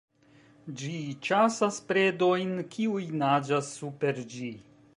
Ĝi ĉasas predojn, kiuj naĝas super ĝi.